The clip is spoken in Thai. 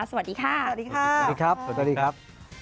สวัสดีค่ะสวัสดีค่ะสวัสดีครับสวัสดีครับสวัสดีครับ